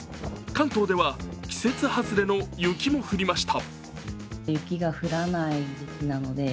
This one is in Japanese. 関東では、季節外れの雪も降りました。